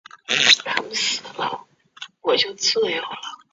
也称为病毒的外衣壳。